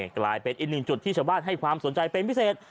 กลายเป็นอีกหนึ่งจุดที่ชาวบ้านให้ความสนใจเป็นพิเศษ